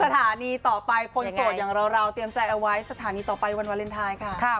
สถานีต่อไปคนโสดอย่างเราเตรียมใจเอาไว้สถานีต่อไปวันวาเลนไทยค่ะ